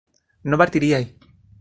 no partiríais